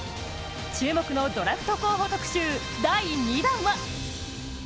注目のドラフト候補特集第２弾は！